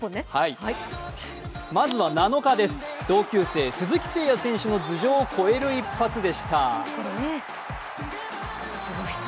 まずは７日です、同級生、鈴木誠也選手の頭上を越える一発でした。